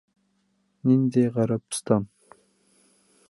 Ниндәй Ғәрәбстан?